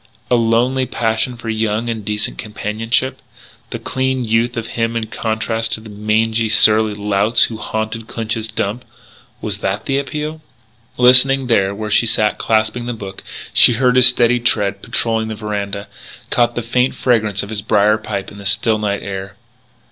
A lonely passion for young and decent companionship? The clean youth of him in contrast to the mangy, surly louts who haunted Clinch's Dump, was that the appeal? Listening there where she sat clasping the book, she heard his steady tread patrolling the veranda; caught the faint fragrance of his brier pipe in the still night air.